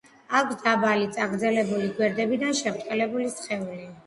აქვს დაბალი, წაგრძელებული, გვერდებიდან შებრტყელებული სხეული.